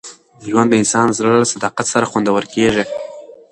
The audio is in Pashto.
ژوند د انسان د زړه له صداقت سره خوندور کېږي.